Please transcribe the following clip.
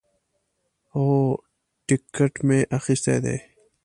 هو، ټیکټ می اخیستی دی